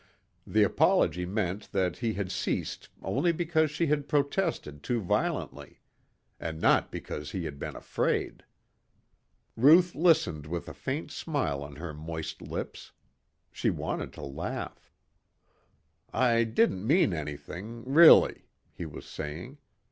The apology meant that he had ceased only because she had protested too violently. And not because he had been afraid. Ruth listened with a faint smile on her moist lips. She wanted to laugh. "I didn't mean anything really," he was saying.